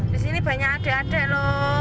di sini banyak adik adik lho